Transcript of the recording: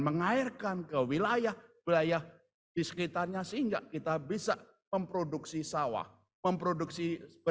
mengairkan ke wilayah wilayah di sekitarnya sehingga kita bisa memproduksi sawah memproduksi